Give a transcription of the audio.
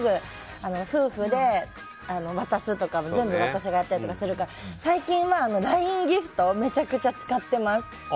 夫婦で渡すとかも全部私がやったりしてるから最近はＬＩＮＥギフトをめちゃくちゃ使ってます。